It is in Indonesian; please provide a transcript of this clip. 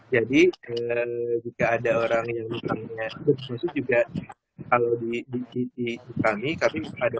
jadi jika ada orang yang mengingat itu maksudnya juga kalau di kami kami ada